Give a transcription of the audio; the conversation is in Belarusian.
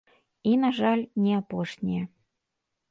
І, на жаль, не апошнія.